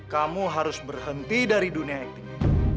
kamu harus berhenti dari dunia acting